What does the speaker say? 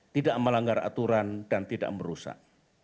tidak melanggar aturan dan tidak merusak